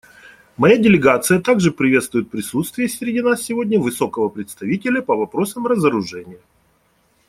Моя делегация также приветствует присутствие среди нас сегодня Высокого представителя по вопросам разоружения.